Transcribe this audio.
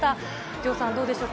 城さん、どうでしたか。